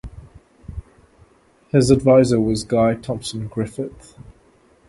His advisor was Guy Thompson Griffith.